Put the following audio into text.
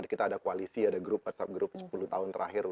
kita ada koalisi ada grup whatsapp group sepuluh tahun terakhir